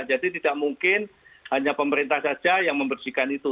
jadi tidak mungkin hanya pemerintah saja yang membersihkan itu